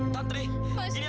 santri ini aku